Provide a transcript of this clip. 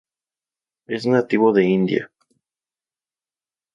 Es nativo de India.